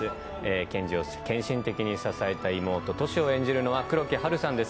ケンジを献身的に支えたトシを演じるのは黒木華さんです。